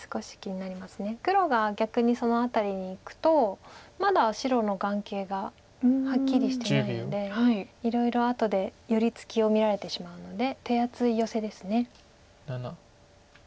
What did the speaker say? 黒が逆にその辺りにいくとまだ白の眼形がはっきりしてないのでいろいろあとで寄り付きを見られてしまうので手厚いヨセです。